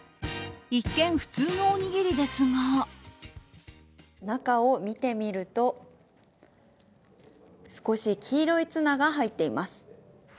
一見、普通のおにぎりですが中を見てみると少し黄色いツナが入っています。